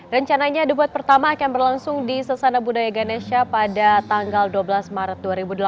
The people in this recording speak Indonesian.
rencananya debat pertama akan berlangsung di sesana budaya ganesha pada tanggal dua belas maret dua ribu delapan belas